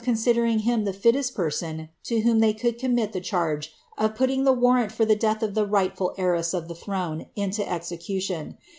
T^ fidering him the fittest person to whom they could commit the cha;2f of putting the warrant for the death nf the rightful heiress of the th:"ne into execution.